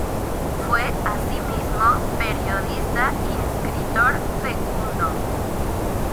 Fue asimismo periodista y escritor fecundo.